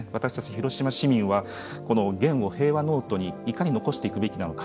広島市民はゲンを「平和ノート」にいかに残していくべきなのか。